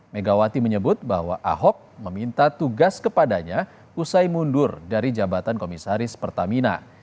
megawati menyebut bahwa ahok meminta tugas kepadanya usai mundur dari jabatan komisaris pertamina